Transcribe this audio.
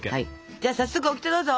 じゃあ早速オキテどうぞ！